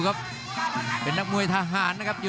รับทราบบรรดาศักดิ์